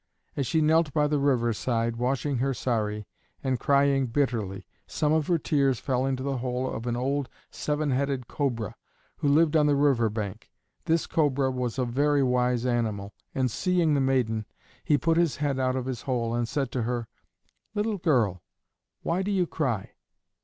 As she knelt by the river side, washing her saree and crying bitterly, some of her tears fell into the hole of an old Seven headed Cobra, who lived on the river bank. This Cobra was a very wise animal, and seeing the maiden, he put his head out of his hole, and said to her: "Little girl, why do you cry?"